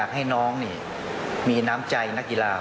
มันมีโอกาสเกิดอุบัติเหตุได้นะครับ